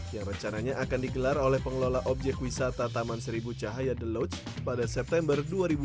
yang rencananya akan digelar oleh pengelola objek wisata taman seribu cahaya the loadge pada september dua ribu dua puluh